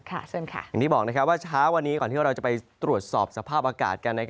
อย่างที่บอกว่าเช้าวันนี้ก่อนที่เราจะไปตรวจสอบสภาพอากาศกัน